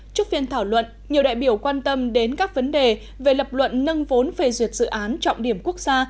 trước phiên thảo luận nhiều đại biểu quan tâm đến các vấn đề về lập luận nâng vốn phê duyệt dự án trọng điểm quốc gia